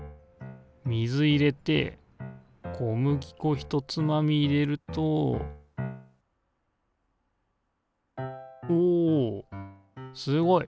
水入れて小麦粉ひとつまみ入れるとおすごい。